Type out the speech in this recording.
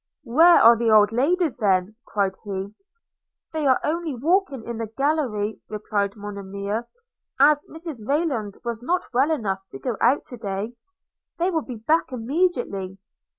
– 'Where are the old Ladies then?' cried he. – 'They are only walking in the gallery,' replied Monimia, 'as Mrs Rayland was not well enough to go out to day – they will be back immediately.'